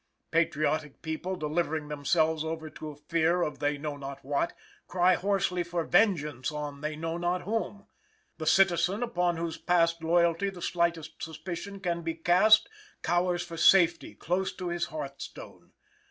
Patriotic people, delivering themselves over to a fear of they know not what, cry hoarsely for vengeance on they know not whom. The citizen upon whose past loyalty the slightest suspicion can be cast cowers for safety close to his hearth stone.